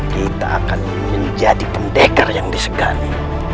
kita akan menjadi pendekar yang disegani